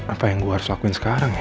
apa yang gue harus lakuin sekarang ya